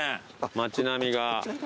町並みが。